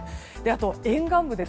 あと、沿岸部。